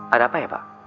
ada apa ya pak